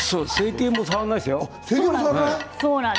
成形する時も触らないですよ。